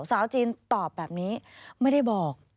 สาวจีนตอบแบบนี้ไม่ได้บอก